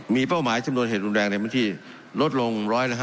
มีเป้าหมายจำนวนเหตุรุนแรงในพื้นที่ลดลง๑๕